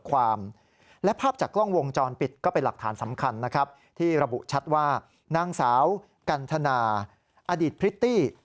ว่านางสาวกันธนาอดีตพริตตี้